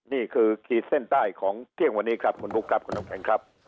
นี่คือคีดเส้นใต้ของเที่ยงวันนี้ครับคุณลุกครับคุณอบแข็งครับ